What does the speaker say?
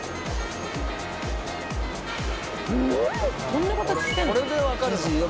こんな形してるの？